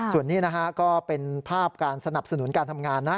ส่วนนี้นะฮะก็เป็นภาพการสนับสนุนการทำงานนะ